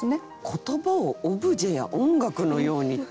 「言葉をオブジェや音楽のように」ってね。